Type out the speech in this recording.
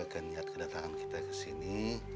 ke niat kedatangan kita kesini